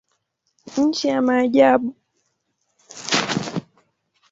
Nchi ya maajabu.